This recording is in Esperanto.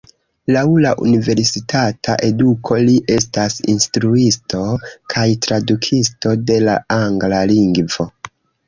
Laŭ la universitata eduko li estas instruisto kaj tradukisto de la angla lingvo.